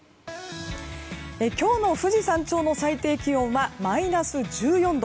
今日の富士山頂の最低気温はマイナス１４度。